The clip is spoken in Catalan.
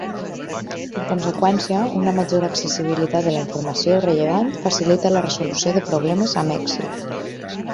En conseqüència, una major accessibilitat de la informació rellevant facilita la resolució de problemes amb èxit.